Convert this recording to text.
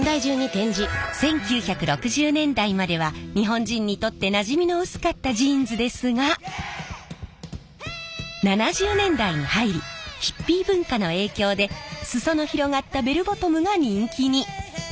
１９６０年代までは日本人にとってなじみの薄かったジーンズですが７０年代に入りヒッピー文化の影響で裾の広がったベルボトムが人気に。